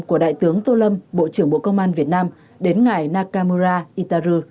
của đại tướng tô lâm bộ trưởng bộ công an việt nam đến ngài nakamura itaro